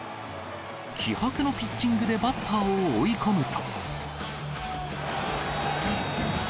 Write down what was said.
気迫のピッチングでバッターを追い込むと。